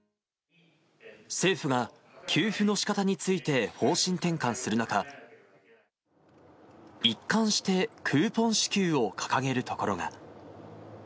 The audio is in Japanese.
政府が給付のしかたについて方針転換する中、一貫してクーポン支給を掲げる所が。